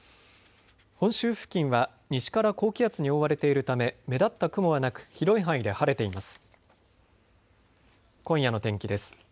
本州付近は西から高気圧に覆われているため目立った雲はなく広い範囲で晴れています。